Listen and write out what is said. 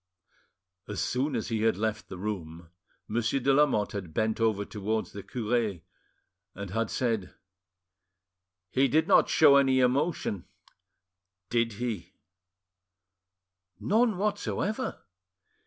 As soon as he had left the room, Monsieur de Lamotte had bent over towards the cure, and had said— "He did not show any emotion, did—he?" "None whatever."